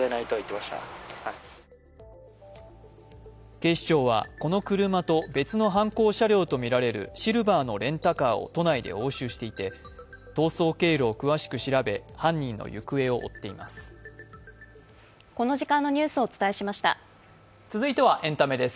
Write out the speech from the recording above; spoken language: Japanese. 警視庁はこの車と別の犯行車両とみられるシルバーのレンタカーを都内で押収していて逃走経路を詳しく調べ犯人の行方を追っています。